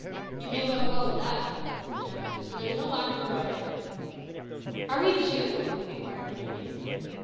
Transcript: "You may well call it that," said Jack, "for there's no lack of variety." "Are we to shoot?" inquired Peterkin.